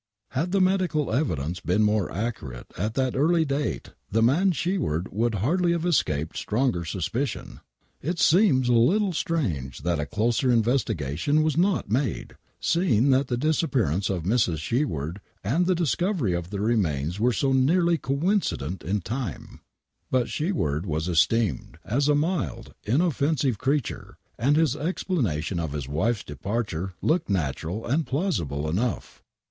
Had the medical evidence been more accurate at that early date the man Sheward would hardly have escaped stronger suspicion. It seems a little strange that a closer investigation was not made, seeing that the disappearance of Mrs. Sheward and the dis covery of the remains were so nearly coincident in time. I^fei^^f xS WAINWRIGHT MURDER But Sheward was esteemed as a mild, inoffensive creature, and his explanation of bis wife's departure looked natural and plausible enougb.